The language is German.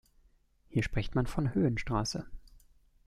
Hier spricht man von "Höhenstraße".